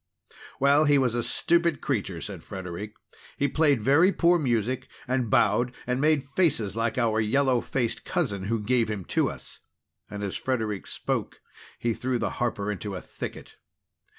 "Well, he was a stupid creature!" said Frederic. "He played very poor music, and bowed, and made faces like our yellow faced cousin who gave him to us." And as Frederic spoke, he threw the harper into a thicket.